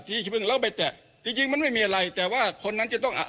ขี้พึ่งแล้วไปแตะจริงจริงมันไม่มีอะไรแต่ว่าคนนั้นจะต้องอ่ะ